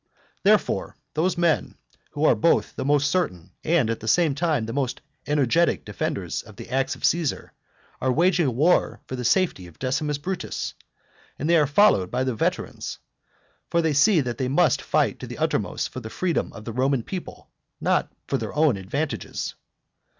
Therefore, those men who are both the most certain and at the same time the most energetic defenders of the acts of Caesar, are waging war for the safety of Decimus Brutus; and they are followed by the veterans. For they see that they must fight to the uttermost for the freedom of the Roman people, not for their own advantages.